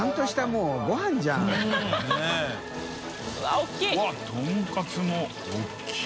うわとんかつも大きい。